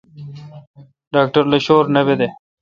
ڈاکٹر لو شور نہ بیدہ۔